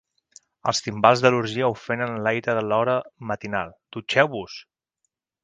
Els timbals de l’orgia ofenen l’aire de l’hora matinal. Dutxeu-vos!